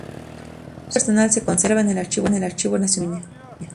Su Archivo personal se conserva en el Archivo Nacional de Cataluña.